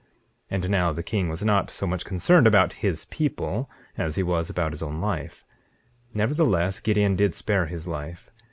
19:8 And now the king was not so much concerned about his people as he was about his own life; nevertheless, Gideon did spare his life.